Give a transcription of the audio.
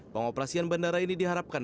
pengoperasian bandara ini diharapkan